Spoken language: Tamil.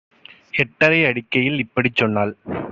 எட்டரை அடிக்கையில் இப்படிச் சொன்னாள்.